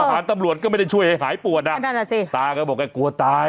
หาตำรวจก็ไม่ได้ช่วยหายปวดตาก็บอกกลัวตาย